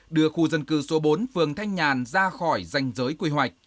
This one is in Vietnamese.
đưa khu dân cư số bốn phường thanh nhàn ra khỏi danh giới quy hoạch